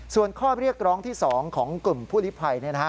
ส่วนข้อเรียกร้องที่๒ของกลุ่มผู้ลิภัย